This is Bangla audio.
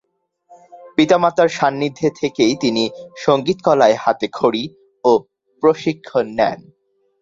পিতা-মাতার সান্নিধ্যে থেকেই তিনি সঙ্গীতকলায় হাতে খড়ি ও প্রশিক্ষণ নেন।